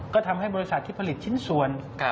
ก็ทำให้บริษัทที่ผลิตชิ้นส่วน